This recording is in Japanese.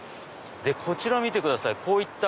こちら見てください。